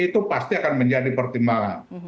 itu pasti akan menjadi pertimbangan